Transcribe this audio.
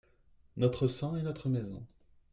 Notre sang et notre maison.